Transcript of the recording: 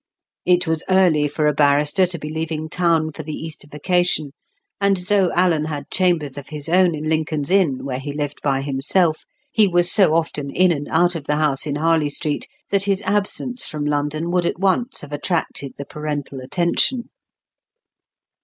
It was early for a barrister to be leaving town for the Easter vacation; and though Alan had chambers of his own in Lincoln's Inn, where he lived by himself, he was so often in and out of the house in Harley Street that his absence from London would at once have attracted the parental attention.